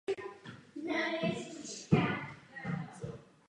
Stejně tak je tomu v případě vaření v mléčných nádobách.